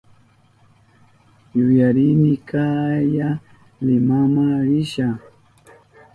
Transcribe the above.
Yuyarini kaya Limama risha.